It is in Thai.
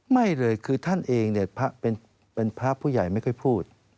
ไม่เลยคือท่านเองเนี่ยเป็นพระผู้ใหญ่ไม่ค่อยพูด